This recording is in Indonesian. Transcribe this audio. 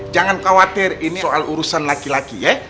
jangan khawatir ini soal urusan laki laki ya